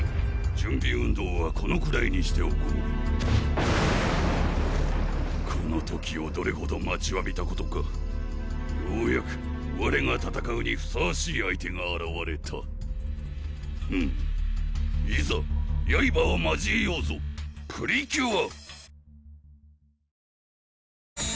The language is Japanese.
準備運動はこのくらいにしておこうこの時をどれほど待ちわびたことかようやくわれが戦うにふさわしい相手があらわれたフンいざやいばを交えようぞプリキュア！